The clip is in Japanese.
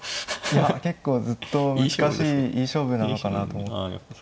いや結構ずっと難しいいい勝負なのかなと思って。